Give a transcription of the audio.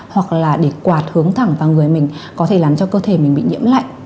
hoặc là để quạt hướng thẳng vào người mình có thể làm cho cơ thể mình bị nhiễm lạnh